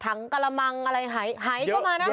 กระมังอะไรหายก็มานะ